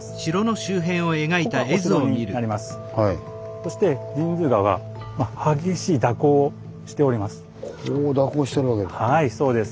そして神通川が激しい蛇行をしております。